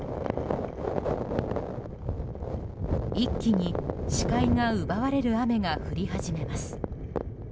一気に視界が奪われる雨が降り始めます。